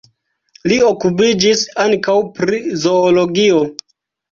Li okupiĝis ankaŭ pri zoologio.